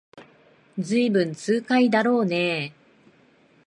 ずいぶん痛快だろうねえ